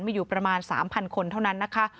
มีอยู่ประมาณ๓๐๐คนเท่านั้นนะคะ